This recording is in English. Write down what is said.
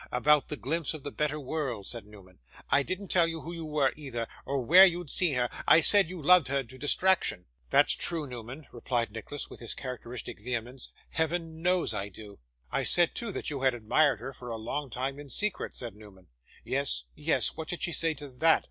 'About the glimpse of the better world,' said Newman. 'I didn't tell her who you were, either, or where you'd seen her. I said you loved her to distraction.' 'That's true, Newman,' replied Nicholas, with his characteristic vehemence. 'Heaven knows I do!' 'I said too, that you had admired her for a long time in secret,' said Newman. 'Yes, yes. What did she say to that?